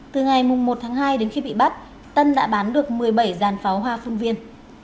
từ ngày một tháng hai đến khi bị bắt tân đã bán được một mươi bảy dàn pháo hoa phun viên